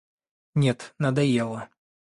Нет, надоело.